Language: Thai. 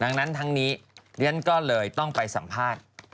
ดังนั้นทั้งนี้เรียนก็เลยต้องไปสัมภาษณ์